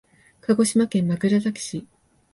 鹿児島県枕崎市